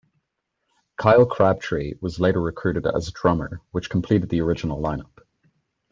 Kyle Crabtree was later recruited as drummer which completed the original lineup.